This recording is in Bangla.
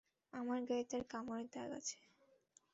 আমার গায়ে তার কামড়ের দাগ আছে।